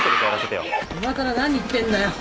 今更何言ってんだよ？